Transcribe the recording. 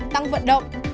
hai tăng vận động